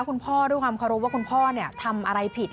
คุณพ่อด้วยความเคารพว่าคุณพ่อทำอะไรผิด